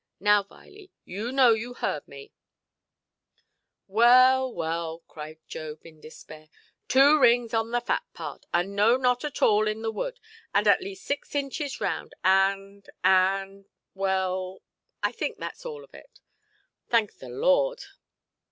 Now, Viley, you know you heard me". "Well, well", cried Job in despair, "two rings on the fat part, and no knot at all in the wood, and at least six inches round, and, and, well—I think thatʼs all of it, thank the Lord".